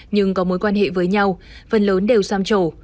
nhưng có mối quan hệ với nhau phần lớn đều sam trổ